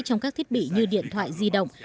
trong các thiết bị như điện thoại di động